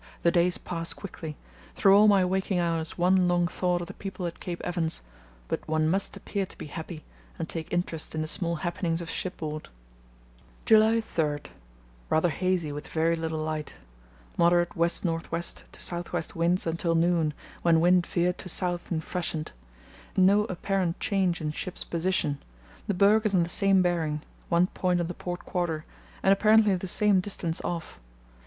The days pass quickly. Through all my waking hours one long thought of the people at Cape Evans, but one must appear to be happy and take interest in the small happenings of shipboard. "July 3.—Rather hazy with very little light. Moderate west north west to south west winds until noon, when wind veered to south and freshened. No apparent change in ship's position; the berg is on the same bearing (1 point on the port quarter) and apparently the same distance off.